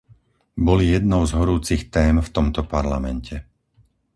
Boli jednou z horúcich tém v tomto Parlamente.